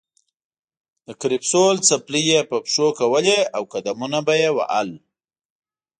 د کرپسول څپلۍ یې په پښو کولې او قدمونه به یې وهل.